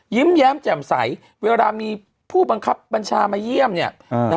แย้มแจ่มใสเวลามีผู้บังคับบัญชามาเยี่ยมเนี่ย